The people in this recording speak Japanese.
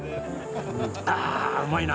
あうまいな。